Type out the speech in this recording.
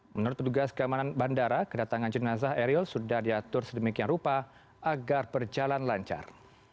menurut petugas keamanan bandara kedatangan jenazah eril sudah diatur sedemikian rupa agar berjalan lancar